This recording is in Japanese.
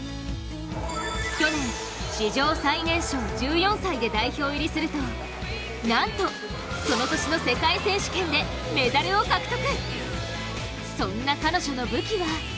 去年、史上最年少１４歳で代表入りするとなんと、その年の世界選手権でメダルを獲得。